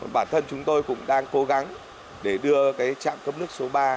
bản thân chúng tôi cũng đang cố gắng để đưa trạm cấp nước số ba